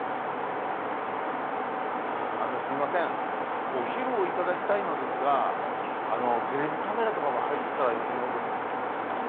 すいませんお昼を頂きたいのですがテレビカメラとかも入ったらよくないですか？